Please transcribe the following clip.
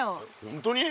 本当に？